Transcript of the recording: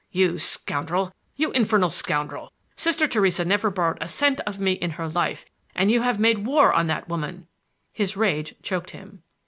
"You scoundrel, you infernal scoundrel, Sister Theresa never borrowed a cent of me in her life! And you have made war on that woman—" His rage choked him.